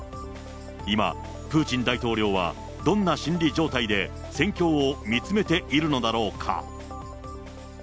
今、プーチン大統領はどんな心理状態で戦況を見つめているのだろうか。